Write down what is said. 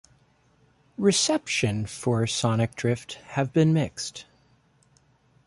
Reception for "Sonic Drift" have been mixed.